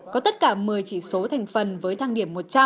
có tất cả một mươi chỉ số thành phần với thăng điểm một trăm linh